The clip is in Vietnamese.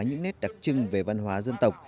những nét đặc trưng về văn hóa dân tộc